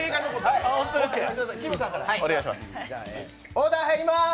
オーダー入ります！